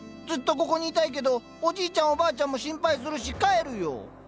ずっとここにいたいけどおじいちゃんおばあちゃんも心配するし帰るよ。